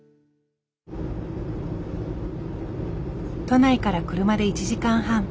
都内から車で１時間半。